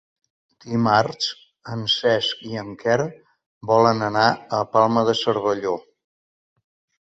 Dimarts en Cesc i en Quer volen anar a la Palma de Cervelló.